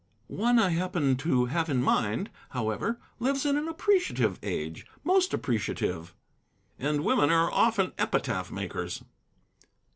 "One I happen to have in mind, however, lives in an appreciative age. Most appreciative." "And women are often epitaph makers."